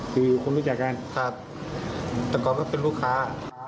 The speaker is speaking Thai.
คือคนรู้จักกันครับแต่ก่อนก็เป็นลูกค้า